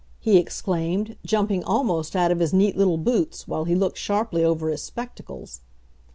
he exclaimed, jumping almost out of his neat little boots, while he looked sharply over his spectacles.